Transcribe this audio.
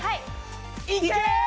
いけ！